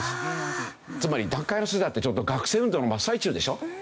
つまり団塊の世代ってちょうど学生運動の真っ最中でしょ。